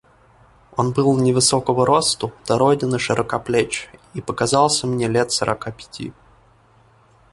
Он был невысокого росту, дороден и широкоплеч, и показался мне лет сорока пяти.